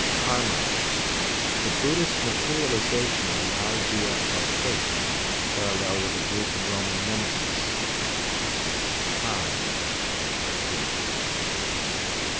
Karma. The Buddhist materialization of the idea of Fate, a parallel with the Greek and Roman Nemesis (Justice). Khan. A king.